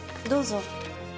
どうぞ。